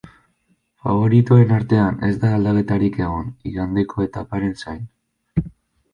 Faboritoen artean ez da aldaketarik egon, igandeko etaparen zain.